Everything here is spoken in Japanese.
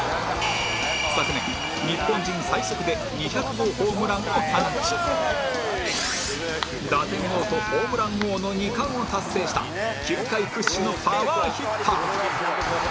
昨年日本人最速で２００号ホームランを放ち打点王とホームラン王の２冠を達成した球界屈指のパワーヒッター